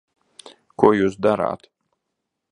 Ko jūs darāt?